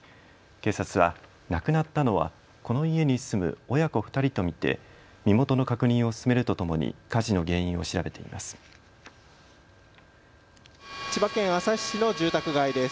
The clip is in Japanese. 警察は亡くなったのはこの家に住む親子２人と見て身元の確認を進めるとともに火事の原因を調べています。